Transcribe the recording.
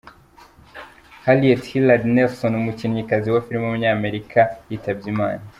Harriet Hillard Nelson, umukinnyikazi wa film w’umunyamerika yitabye Imana.